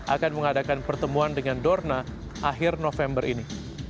akan mengadakan pertemuan dengan dorna akhir november ini